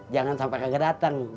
jangan sampai kaget dateng